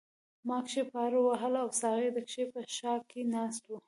ما کښتۍ پارو وهله او ساقي د کښتۍ په شا کې ناست وو.